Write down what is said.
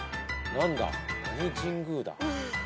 何神宮だ？